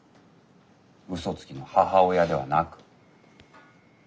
嘘つきの母親ではなく。